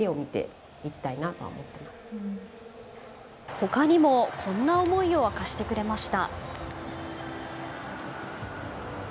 他にもこんな思いを明かしてくれました。